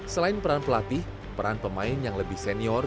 selain peran pelatih peran pemain yang lebih senior